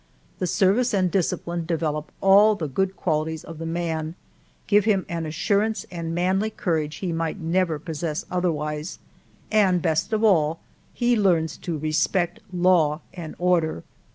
The service and discipline develop all the good qualities of the man, give him an assurance and manly courage he might never possess otherwise, and best of all, he learns to respect law and order.